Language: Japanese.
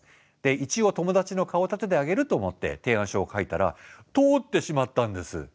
一応友達の顔を立ててあげると思って提案書を書いたら通ってしまったんです。